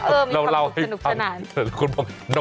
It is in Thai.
เออมีความสุขสนุกขนาด